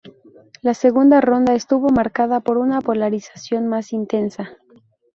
La segunda ronda estuvo marcada por una polarización más intensa.